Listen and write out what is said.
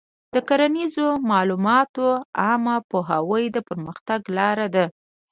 د کرنیزو معلوماتو عامه پوهاوی د پرمختګ لاره ده.